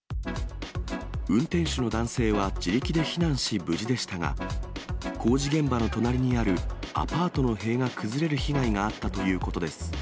運転手の男性は自力で避難し、無事でしたが、工事現場の隣にある、アパートの塀が崩れる被害があったということです。